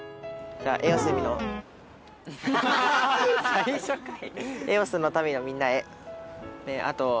・最初かい！